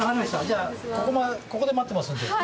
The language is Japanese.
じゃあここで待ってますんで。